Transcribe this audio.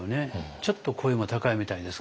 ちょっと声も高いみたいですけど。